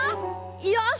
よし！